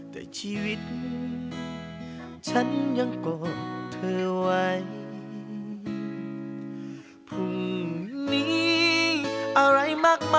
แต่ชีวิตฉันยังกลบเธอไว้